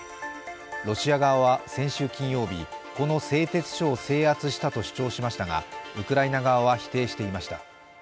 ロシア側は先週金曜日この製鉄所を制圧したと主張しましたがウクライナ側は否定していました。